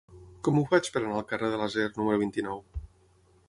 Com ho faig per anar al carrer de l'Acer número vint-i-nou?